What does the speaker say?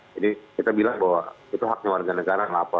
jadi kita bilang bahwa itu haknya warga negara ngelapor